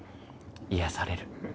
癒やされる。